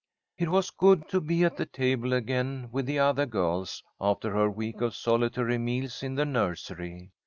It was good to be at the table again with the other girls after her week of solitary meals in the nursery.